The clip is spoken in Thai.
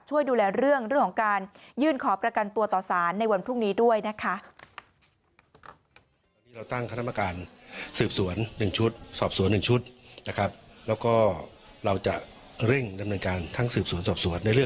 ช่วยดูแลเรื่องของการยื่นขอประกันตัวต่อสารในวันพรุ่งนี้ด้วยนะคะ